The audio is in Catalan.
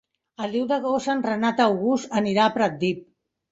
El deu d'agost en Renat August anirà a Pratdip.